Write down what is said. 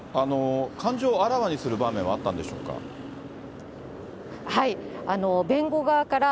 感情をあらわにする場面はあったんでしょうか？